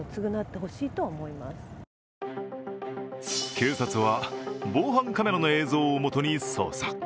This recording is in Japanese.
警察は防犯カメラの映像をもとに捜査。